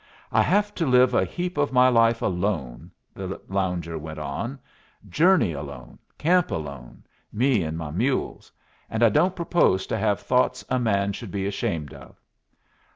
"I have to live a heap of my life alone," the lounger went on. "Journey alone. Camp alone. Me and my mules. And I don't propose to have thoughts a man should be ashamed of."